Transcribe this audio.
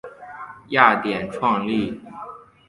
雅典创立。